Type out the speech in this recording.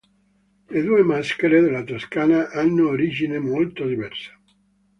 Le due maschere della Toscana hanno origine molto diversa.